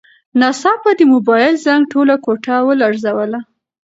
ناڅاپه د موبایل زنګ ټوله کوټه ولړزوله.